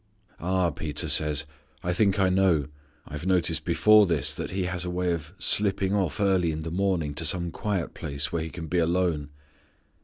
"Ah!" Peter says; "I think I know. I have noticed before this that He has a way of slipping off early in the morning to some quiet place where He can be alone."